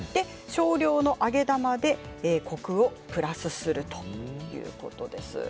少量の揚げ玉でコクをプラスするということです。